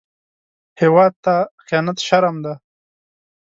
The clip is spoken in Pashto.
هېواد ته خيانت شرم دی